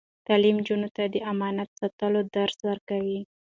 تعلیم نجونو ته د امانت ساتلو درس ورکوي.